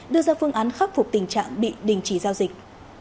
đưa ra phương án khắc phục tình trạng bị đình chỉ giao dịch